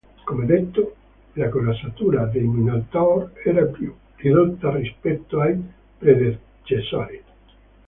Come detto, la corazzatura dei Minotaur era più ridotta rispetto ai predecessori.